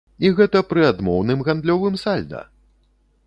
І гэта пры адмоўным гандлёвым сальда!